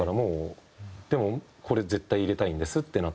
でもこれ絶対入れたいんですってなって。